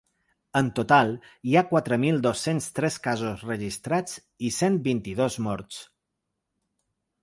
En total, hi ha quatre mil dos-cents tres casos registrats i cent vint-i-dos morts.